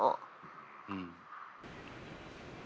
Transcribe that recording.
うん。